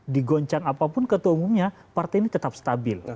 di goncang apapun ketua umumnya partai ini tetap stabil